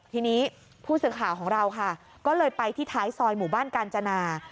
ทีนี้ผู้สื่อข่าวของเราค่ะก็เลยไปที่ท้ายซอยหมู่บ้านกาญจนา